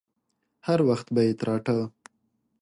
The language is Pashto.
هر وخت به يې تراټه.